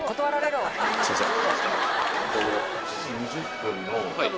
すいません。